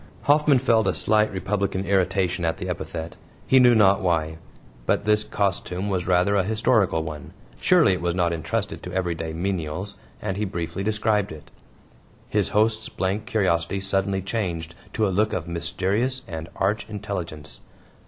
Hoffman felt a slight republican irritation at the epithet he knew not why. But this costume was rather a historical one; surely it was not entrusted to everyday menials and he briefly described it. His host's blank curiosity suddenly changed to a look of mysterious and arch intelligence.